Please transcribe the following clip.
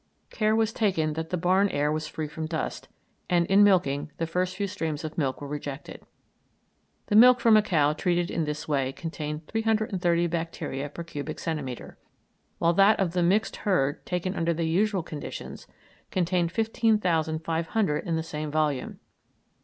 Care was taken that the barn air was free from dust, and in milking the first few streams of milk were rejected. The milk from a cow treated in this way contained 330 bacteria per cubic centimetre, while that of the mixed herd, taken under the usual conditions, contained 15,500 in the same volume.